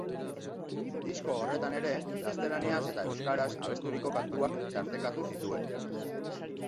Disko horretan ere, gaztelaniaz eta euskaraz abesturiko kantuak tartekatu zituen.